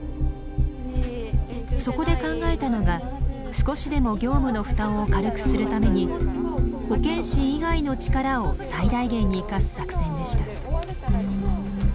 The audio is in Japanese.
そこで考えたのが少しでも業務の負担を軽くするために保健師以外の力を最大限に生かす作戦でした。